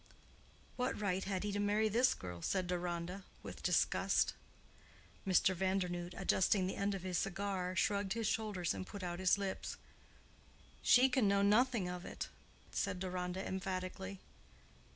"What right had he to marry this girl?" said Deronda, with disgust. Mr. Vandernoodt, adjusting the end of his cigar, shrugged his shoulders and put out his lips. "She can know nothing of it," said Deronda, emphatically.